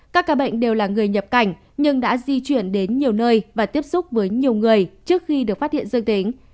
các ca bệnh đều là người nhập cảnh nhưng đã di chuyển đến nhiều nơi và tiếp xúc với nhiều người trước khi được phát hiện dương tính